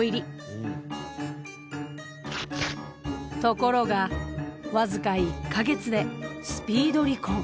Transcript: ところが僅か１か月でスピード離婚。